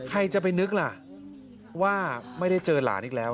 ใครจะไปนึกล่ะว่าไม่ได้เจอหลานอีกแล้ว